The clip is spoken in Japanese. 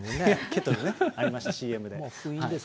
ケトルね、ありました、ＣＭで。